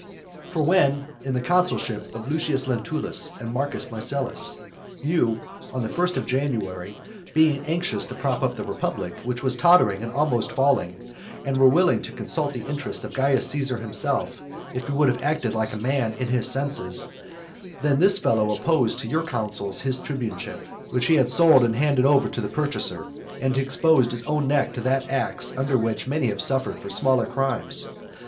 For when, in the consulship of Lucius Lentulus and Marcus Marcellus, you, on the first of January, were anxious to prop up the republic, which was tottering and almost falling, and were willing to consult the interests of Caius Caesar himself, if he would have acted like a man in his senses, then this fellow opposed to your counsels his tribuneship, which he had sold and handed over to the purchaser, and exposed his own neck to that axe under which many have suffered for smaller crimes.